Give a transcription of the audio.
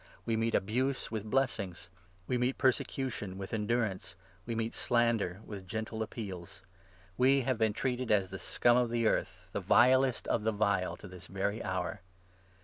We meet abuse with blessings, we meet persecution with endurance, we meet slander with 13 gentle appeals. We have been treated as the scum of the earth, the vilest of the vile, to this very hour.